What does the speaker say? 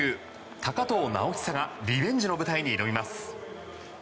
高藤直寿がリベンジの舞台に挑みます。